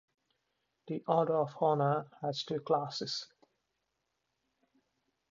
The Order of Honor has two classes.